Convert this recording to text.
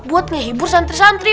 buat ngehibur santri santri